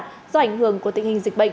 do ảnh hưởng của các doanh nghiệp